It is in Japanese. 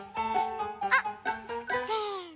あっせの。